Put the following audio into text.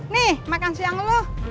nih makan siang lo